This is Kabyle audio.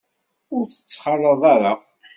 Ur tt-ttxalaḍ ara.